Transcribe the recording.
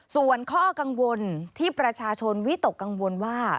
ส่วนข้อกังวลที่ประชาชนวิตกกังวลว่า